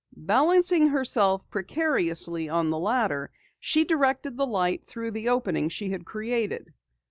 Balancing herself precariously on the ladder, she directed the light through the opening she had created.